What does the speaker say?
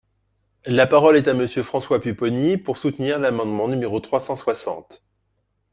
La parole est à Monsieur François Pupponi, pour soutenir l’amendement numéro trois cent soixante.